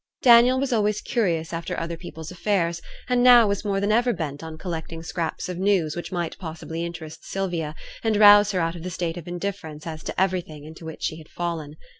Daniel was always curious after other people's affairs, and now was more than ever bent on collecting scraps of news which might possibly interest Sylvia, and rouse her out of the state of indifference as to everything into which she had fallen.